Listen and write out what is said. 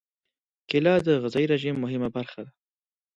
کېله د غذايي رژیم مهمه برخه ده.